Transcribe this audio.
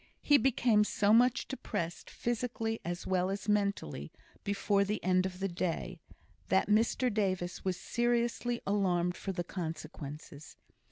He became so much depressed, physically as well as mentally, before the end of the day, that Mr Davis was seriously alarmed for the consequences.